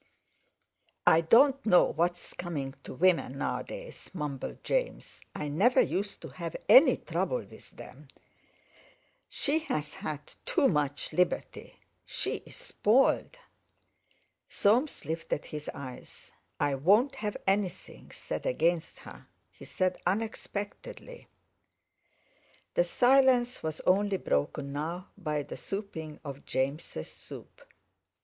"I don't know what's coming to women nowadays," mumbled James; "I never used to have any trouble with them. She's had too much liberty. She's spoiled...." Soames lifted his eyes: "I won't have anything said against her," he said unexpectedly. The silence was only broken now by the supping of James's soup.